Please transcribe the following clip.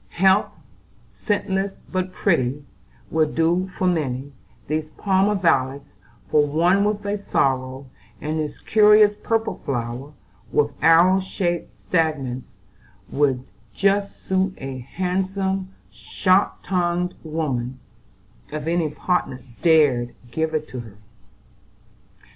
Heath, scentless but pretty, would do for many; these Parma violets for one with a sorrow; and this curious purple flower with arrow shaped stamens would just suit a handsome, sharp tongued woman, if any partner dared give it to her."